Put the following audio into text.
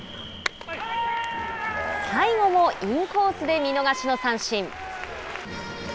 最後もインコースで見逃し三振。